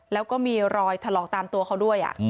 แล้วก็มีรอยถลอกตามตัวเขาด้วย